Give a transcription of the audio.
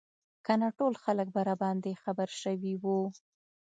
که نه ټول خلک به راباندې خبر شوي وو.